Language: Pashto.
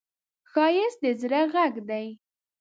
ښایست د زړه غږ دی